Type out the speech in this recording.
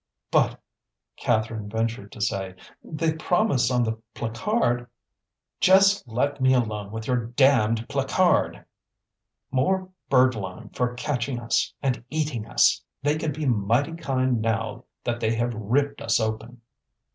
"But," Catherine ventured to say, "they promise on the placard " "Just let me alone with your damned placard! More birdlime for catching us and eating us. They can be mighty kind now that they have ripped us open."